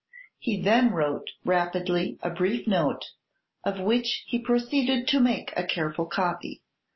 He then wrote rapidly a brief note, of which he proceeded to make a careful copy.